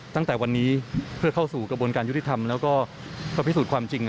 ตั้งแต่วันนี้เพื่อเข้าสู่กระบวนการยุติธรรมแล้วก็พิสูจน์ความจริง